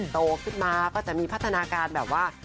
โตขึ้นมาก็จะมีพัฒนาการแบบว่า